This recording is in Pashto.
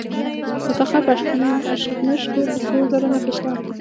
د تخار په اشکمش کې د سرو زرو نښې شته.